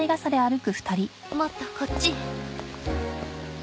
もっとこっちへ。